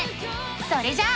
それじゃあ。